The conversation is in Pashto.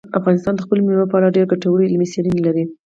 افغانستان د خپلو مېوو په اړه ډېرې ګټورې علمي څېړنې لري.